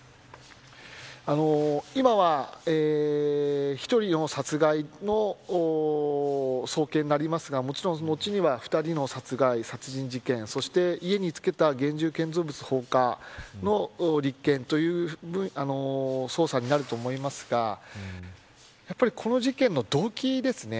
今は、１人の殺害の送検になりますがもちろん後には、２人の殺害殺人事件そして家に付けた現住建造物放火の立憲という捜査になると思いますがやはり、この事件の動機ですね。